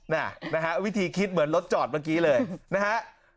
นะฮะวิธีคิดเหมือนรถจอดเมื่อกี้เลยนะฮะ